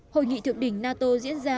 hội nghị thượng đỉnh nato diễn ra